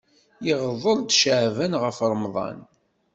Iɣḍel-d Caɛban ɣef Ṛemḍan.